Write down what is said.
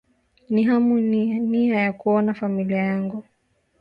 ni hamu na nia ya kuona familia yangu